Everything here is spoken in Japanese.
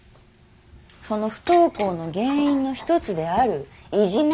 その不登校の原因の一つであるいじめ。